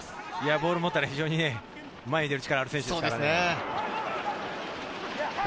ボール持ったら非常に前に出る力のある選手です。